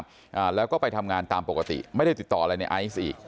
อ่าแล้วก็ไปทำงานตามปกติไม่ได้ติดต่ออะไรในไอซ์อีก